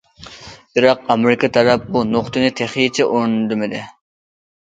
بىراق ئامېرىكا تەرەپ بۇ نۇقتىنى تېخىچە ئورۇندىمىدى.